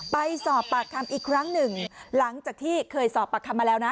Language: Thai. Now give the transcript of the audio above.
ไปสอบปากคำอีกครั้งหนึ่งหลังจากที่เคยสอบปากคำมาแล้วนะ